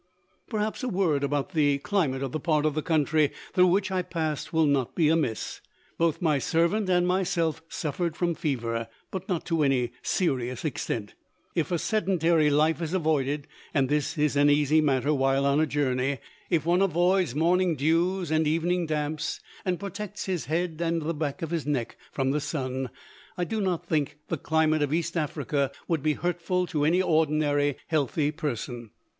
Perhaps a word about the climate of the part of the country through which I passed will not be amiss. Both my servant and myself suffered from fever, but not to any serious extent. If a sedentary life is avoided and this is an easy matter while on a journey if one avoids morning dews and evening damps, and protects his head and the back of his neck from the sun, I do not think the climate of East Africa would be hurtful to any ordinarily healthy person.